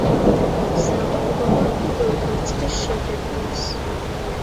სააღდგომოდ კვერცხის შეღებვას.